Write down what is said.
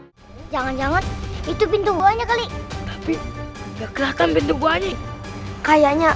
hai jangan jangan itu pintu buahnya kali tapi enggak kelihatan pintu buahnya kayaknya